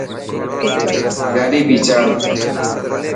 گاڏي ڀيچاڙ.